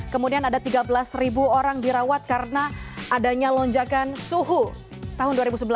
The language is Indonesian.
kemudian ada tiga belas orang dirawat karena adanya lonjakan suhu tahun dua ribu sebelas